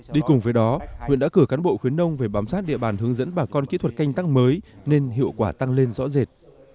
đi cùng với đó huyện đã cử cán bộ khuyến nông về bám sát địa bàn hướng dẫn bà con kỹ thuật canh tác mới nên hiệu quả tăng lên rõ rệt